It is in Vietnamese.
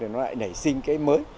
nó lại nảy sinh cái mới